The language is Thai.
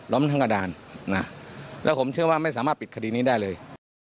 ทั้งกระดานนะแล้วผมเชื่อว่าไม่สามารถปิดคดีนี้ได้เลย